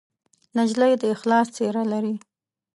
نجلۍ د اخلاص څېره لري.